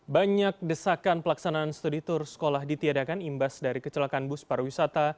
banyak desakan pelaksanaan studi tur sekolah ditiadakan imbas dari kecelakaan bus pariwisata